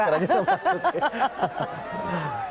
sekarang aja udah masuk ya